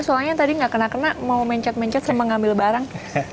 soalnya tadi saya gak kena kena mau mencet mencet sering mengambil barang